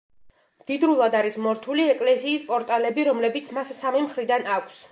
მდიდრულად არის მორთული ეკლესიის პორტალები, რომლებიც მას სამი მხრიდან აქვს.